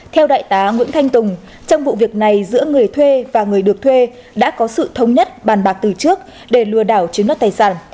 theo đại tá nguyễn thanh tùng trong vụ việc này giữa người thuê và người được thuê đã có sự thống nhất bàn bạc từ trước để lừa đảo chiếm đất tài sản